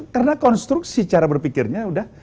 karena konstruksi cara berpikirnya